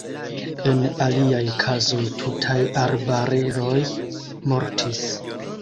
En aliaj kazoj tutaj arbareroj mortis.